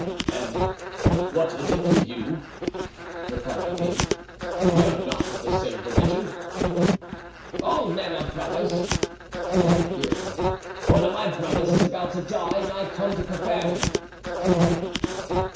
"And what is it to you?" replied the king; "we are not of the same religion." "All men are brothers," said the Puritan. "One of my brothers is about to die and I come to prepare him."